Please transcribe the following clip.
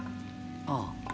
ああ。